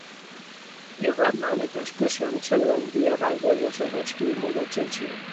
Irlandan eta Eskozian zeuden bi erraldoi oso gaizki moldatzen ziren.